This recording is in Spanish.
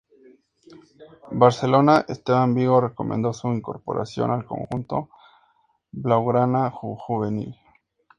Barcelona Esteban Vigo recomendó su incorporación al conjunto "blaugrana" juvenil.